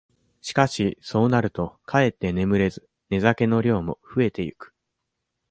しかし、そうなるとかえって眠れず寝酒の量もふえてゆく。